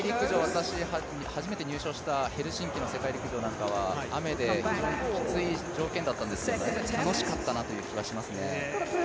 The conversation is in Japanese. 私、初めて入賞したヘルシンキの世界陸上は雨できつい条件だったんですけど楽しかったなという気はしますね。